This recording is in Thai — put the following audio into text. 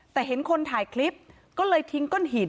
แต่เห็นคนถ่ายคลิปก็เลยทิ้งก้อนหิน